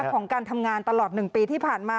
ของการทำงานตลอด๑ปีที่ผ่านมา